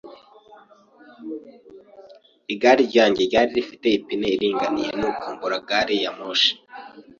Igare ryanjye ryari rifite ipine iringaniye, nuko mbura gari ya moshi.